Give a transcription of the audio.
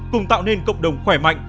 cùng tạo nên cộng đồng khỏe mạnh